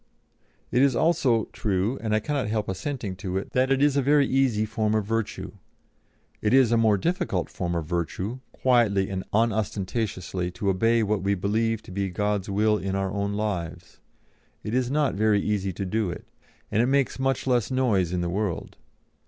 It is also true, and I cannot help assenting to it, that it is a very easy form of virtue. It is a more difficult form of virtue, quietly and unostentatiously to obey what we believe to be God's will in our own lives. It is not very easy to do it; and it makes much less noise in the world.